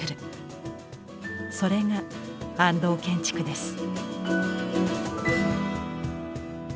それが安藤建築です。